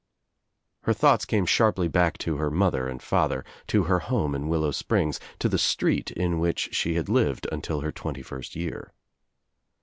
Her thoughts came sharply back to her mother and father, to her home in Willow Springs, to the street id which she had lived until her twenty first year.